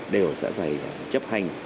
đều sẽ phải chấp hành